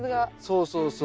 そうそうそう。